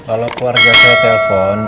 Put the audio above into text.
kalo keluarga saya telpon